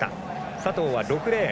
佐藤は６レーン。